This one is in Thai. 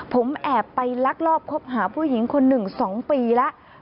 ผมแอบไปลักลอบคบหาผู้หญิงคนหนึ่ง๒ปีแล้ว